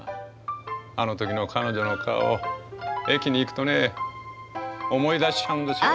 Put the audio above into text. あの時の彼女の顔駅に行くとね思い出しちゃうんですよ。